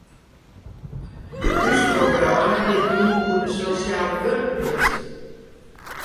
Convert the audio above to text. Us programma giet jûn oer de sosjale wurkpleats.